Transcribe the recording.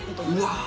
うわ